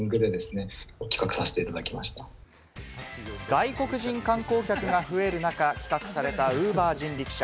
外国人観光客が増える中企画された、Ｕｂｅｒ人力車。